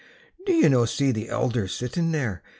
"Do ye no see the elder sitting there?